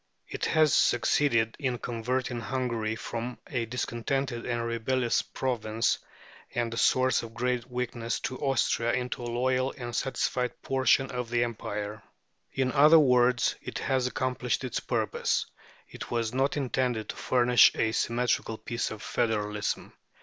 It has succeeded in converting Hungary from a discontented and rebellious province and a source of great weakness to Austria into a loyal and satisfied portion of the Empire. In other words, it has accomplished its purpose. It was not intended to furnish a symmetrical piece of federalism.